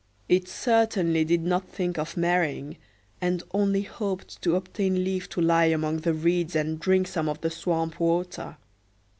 it certainly did not think of marrying, and only hoped to obtain leave to lie among the reeds and drink some of the swamp water.